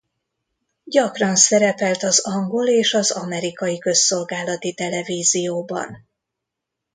Gyakran szerepelt az angol és az amerikai közszolgálati televízióban.